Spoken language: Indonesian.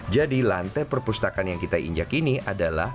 jadi lantai perpustakaan yang kita injak ini adalah